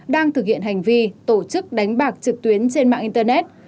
đang thực hiện hành vi tổ chức đánh bạc trực tuyến trên mạng internet